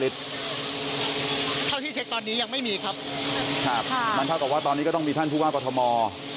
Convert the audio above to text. เท่าที่เช็คตอนนี้ยังไม่มีครับครับมันเท่ากับว่าตอนนี้ก็ต้องมีท่านผู้ว่ากรทม